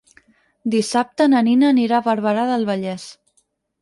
Dissabte na Nina anirà a Barberà del Vallès.